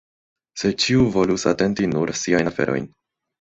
Se ĉiu volus atenti nur siajn aferojn.